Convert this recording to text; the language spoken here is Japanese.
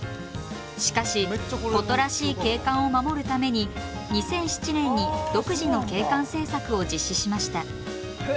しかし古都らしい景観を守るために２００７年に独自の景観政策を実施しました。